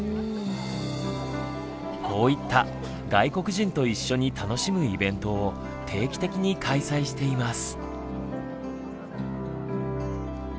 こういった外国人と一緒に楽しむイベントを定期的に開催しています。